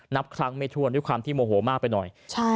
นับครั้งไม่ถ้วนด้วยความที่โมโหมากไปหน่อย